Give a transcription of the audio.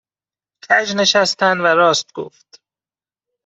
کژ نشستن و راست گفت